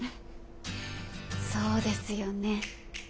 そうですよね。